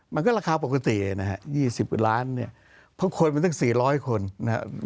มันก็ราคาปกติเนี่ยนะฮะยี่สิบล้านเนี่ยเพราะคนมันตั้งสี่ร้อยคนนะฮะ